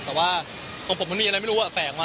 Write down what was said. แต่ว่าของผมมันมีอะไรไม่รู้ว่าแฝงมา